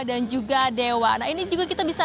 dan juga dewa nah ini juga kita bisa